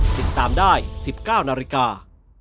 ติดตามได้๑๙นาฬิกา